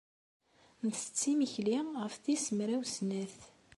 Nettett imekli ɣef tis mraw snat.